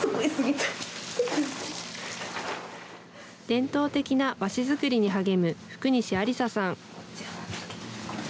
伝統的な和紙作りに励む福西安理沙さん。